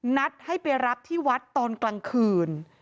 นัดให้ไปรับที่วัดตอนกลางคืน